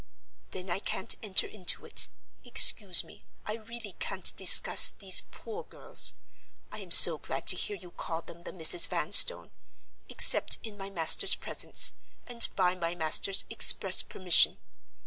"Then I can't enter into it. Excuse me, I really can't discuss these poor girls (I am so glad to hear you call them the Misses Vanstone!) except in my master's presence, and by my master's express permission.